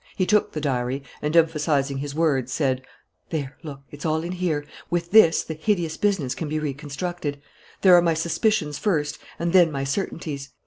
He took the diary, and, emphasizing his words, said: "There, look, it's all in here. With this, the hideous business can be reconstructed.... There are my suspicions first and then my certainties....